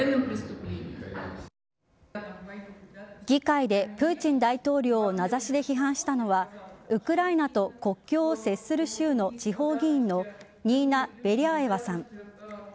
議会でプーチン大統領を名指しで批判したのはウクライナと国境を接する州の地方議員のニーナ・ベリャーエワさん。